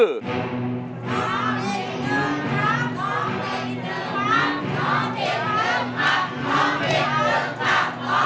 ร้องผิด๑คำร้องผิด๑คำร้องผิด๑คำร้องผิด๑คำร้องผิด๑คำร้องผิด๑คำ